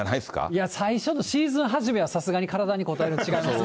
いや、最初のシーズン初めは、さすがに体にこたえるんとちゃいますか。